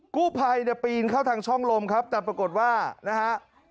กู้ภัยเนี่ยปีนเข้าทางช่องลมครับแต่ปรากฏว่านะฮะ